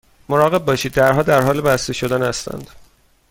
مراقب باشید، درها در حال بسته شدن هستند.